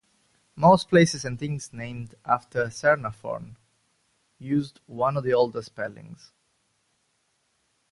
Most places and things named after Caernarfon use one of the older spellings.